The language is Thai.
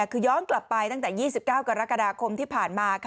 คือย้อนกลับไปตั้งแต่๒๙กรกฎาคมที่ผ่านมา